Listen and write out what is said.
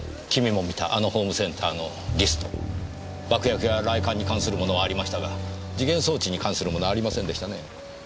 君も見たあのホームセンターのリスト爆薬や雷管に関するものはありましたが時限装置に関するものはありませんでしたね。